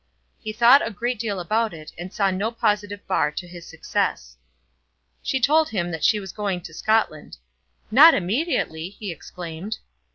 He thought a great deal about it, and saw no positive bar to his success. She told him that she was going to Scotland. "Not immediately!" he exclaimed.